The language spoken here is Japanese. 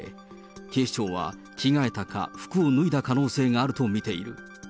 警視庁は着替えたか、服を脱いだ可能性があると見ている。